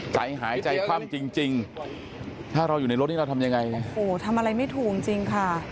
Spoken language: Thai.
ใจหายใจคว่ำจริงถ้าเราอยู่ในรถนี่เราทำยังไงโอ้โหทำอะไรไม่ถูกจริงค่ะ